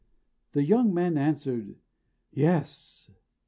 The young man answered, "Yes."